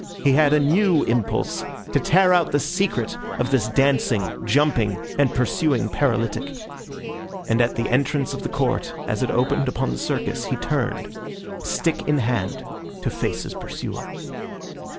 He had a new impulse to tear out the secret of this dancing, jumping and pursuing paralytic; and at the entrance of the court as it opened upon the Circus he turned, stick in hand, to face his pursuer.